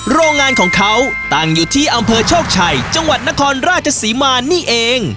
โรงงานของเขาตั้งอยู่ที่อำเภอโชคชัยจังหวัดนครราชศรีมานี่เอง